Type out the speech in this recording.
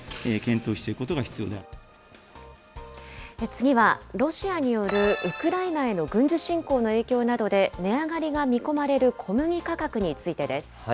次はロシアによるウクライナへの軍事侵攻の影響などで、値上がりが見込まれる小麦価格についてです。